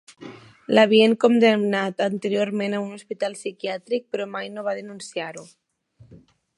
L'havien condemnat anteriorment a un hospital psiquiàtric, però mai no va denunciar-ho.